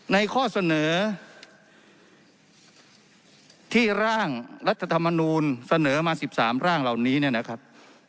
ข้อเสนอที่ร่างรัฐธรรมนูลเสนอมา๑๓ร่างเหล่านี้เนี่ยนะครับ